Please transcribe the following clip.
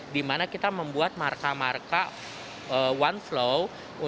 di mana kita membuat marka marka one flow